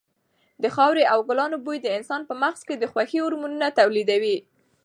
د خاورې او ګلانو بوی د انسان په مغز کې د خوښۍ هارمونونه تولیدوي.